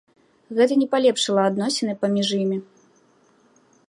Гэта не палепшыла адносіны паміж імі.